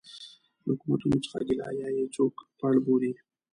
له حکومتونو څه ګیله یا یې څوک پړ بولي.